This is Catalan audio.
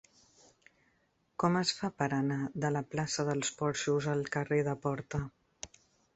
Com es fa per anar de la plaça dels Porxos al carrer de Porta?